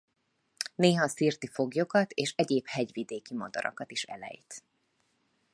Néha szirti foglyokat és egyéb hegyvidéki madarakat is elejt.